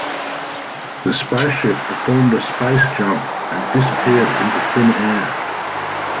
The space ship performed a space-jump and disappeared into thin air.